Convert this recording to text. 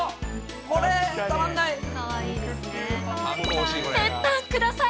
これ、たまんない。